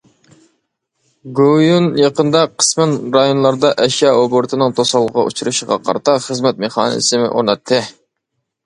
گوۋۇيۈەن يېقىندا قىسمەن رايونلاردا ئەشيا ئوبوروتىنىڭ توسالغۇغا ئۇچرىشىغا قارىتا خىزمەت مېخانىزمى ئورناتتى.